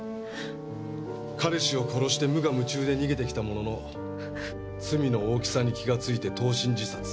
彼氏を殺して無我夢中で逃げてきたものの罪の大きさに気がついて投身自殺。